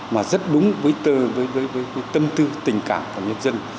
mà rất đúng với tư với tâm tư tình cảm của nhân dân